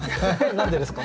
何でですか？